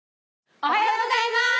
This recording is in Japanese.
おはようございます！